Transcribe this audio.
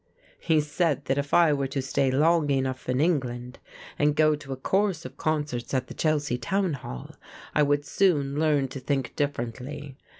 "He said that if I were to stay long enough in England and go to a course of concerts at the Chelsea Town Hall, I would soon learn to think differently.